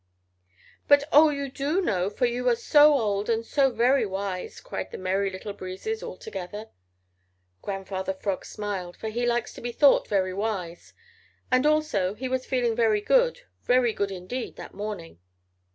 "Oh, but you do know, for you are so old and so very wise," cried the Merry Little Breezes all together. Grandfather Frog smiled, for he likes to be thought very wise, and also he was feeling very good, very good indeed that morning.